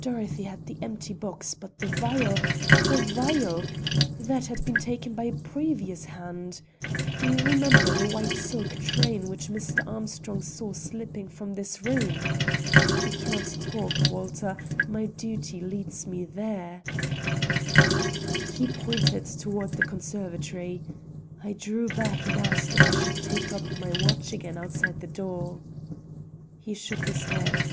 "Dorothy had the empty box; but the vial! the vial! that had been taken by a previous hand. Do you remember the white silk train which Mr. Armstrong saw slipping from this room? I can not talk, Walter; my duty leads me there." He pointed toward the conservatory. I drew back and asked if I should take up my watch again outside the door. He shook his head.